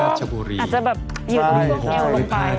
อาจจะแบบยืน